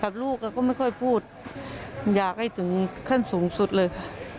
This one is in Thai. ลูกก็ไม่ค่อยพูดอยากให้ถึงขั้นสูงสุดเลยค่ะ